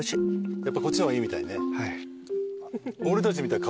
やっぱこっちの方がいいみたいね。